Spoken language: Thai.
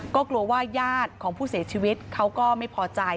ก็กลัวว่าญาติของผู้เสียชีวิตเขาก็ไม่พอใจ